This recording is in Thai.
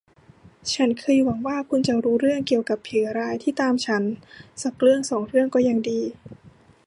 ฉันเคยหวังว่าคุณจะรู้เรื่องเกี่ยวกับผีร้ายที่ตามฉัน สักเรื่องสองเรื่องก็ยังดี